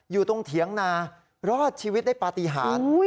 อยู่ตรงเถียงนารอดชีวิตได้ปฏิหาร